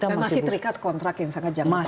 masih terikat kontrak yang sangat jangka panjang